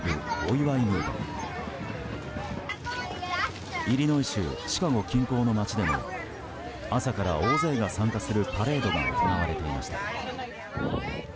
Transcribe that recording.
イリノイ州シカゴ近郊の街でも朝から大勢が参加するパレードが行われていました。